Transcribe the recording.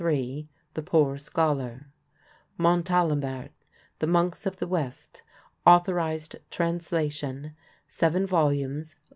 3, The Poor Scholar; Montalembert: The Monks of the West, authorized translation, (7 vols.